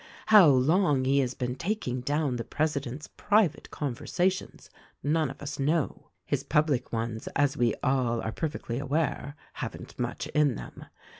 How long he has been taking down the president's private conversations none of us know. His public ones, as we all are perfectly aware, haven't much in them.